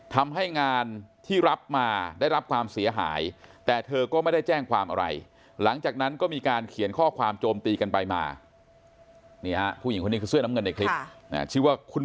ทำให้งานที่รับมาได้รับความเสียหายแต่เธอก็ไม่ได้แจ้งความอะไร